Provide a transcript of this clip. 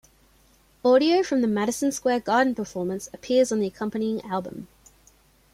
Audio from the Madison Square Garden performance appears on the accompanying album.